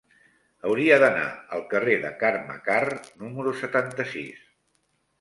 Hauria d'anar al carrer de Carme Karr número setanta-sis.